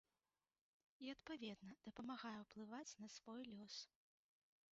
І, адпаведна, дапамагае ўплываць на свой лёс.